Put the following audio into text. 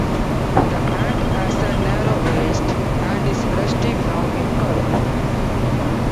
The ant has a narrow waist and is rusty brown in color.